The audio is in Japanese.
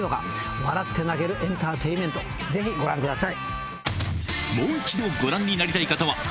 笑って泣けるエンターテインメントぜひご覧ください。